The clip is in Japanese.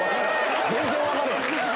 全然分かれへん。